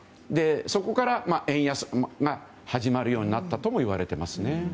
そこから円安が始まるようになったともいわれていますね。